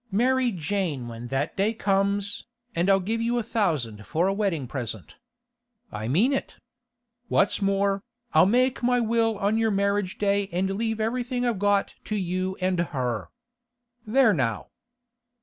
Marry Jane when that day comes, and I'll give you a thousand for a wedding present. I mean it! What's more, I'll make my will on your marriage day and leave everything I've got to you and her. There now!